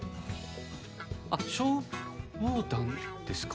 あっ消防団ですか？